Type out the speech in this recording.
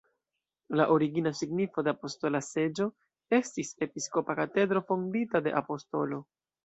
La origina signifo de "apostola seĝo" estis: episkopa katedro fondita de apostolo.